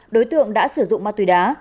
đối tượng đã sử dụng ma tùy đá